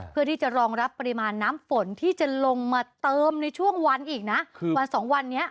เพื่อที่จะรองรับปริมาณน้ำฝนที่จะลงมาเติมในช่วงวันอีกนะวันสองวันนี้